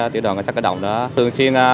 tiểu đoàn cảnh sát cả động đã thường xuyên